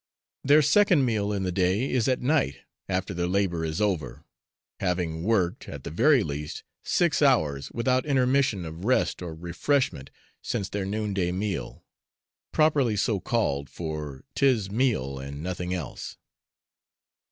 Their second meal in the day is at night, after their labour is over, having worked, at the very least, six hours without intermission of rest or refreshment since their noon day meal (properly so called, for 'tis meal, and nothing else).